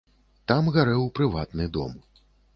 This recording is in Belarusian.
Там гарэў прыватны дом.